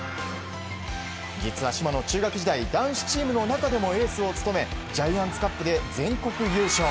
実は島野、中学時代男子チームの中でもエースを務めジャイアンツカップで全国優勝。